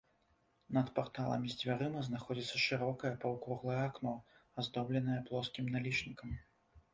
Над парталамі з дзвярыма знаходзіцца шырокае паўкруглае акно, аздобленае плоскім налічнікам.